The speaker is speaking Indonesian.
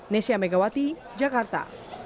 nesya megawati jakarta